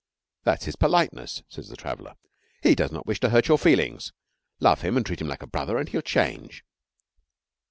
'That's his politeness,' says the traveller. 'He does not wish to hurt your feelings. Love him and treat him like a brother, and he'll change.'